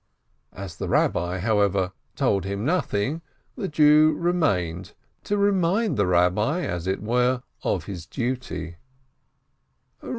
As the Eabbi, however, told him nothing, the Jew remained, to remind the Eabbi, as it were, of his duty.